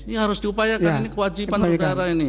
ya harus diupayakan ini kewajiban saudara ini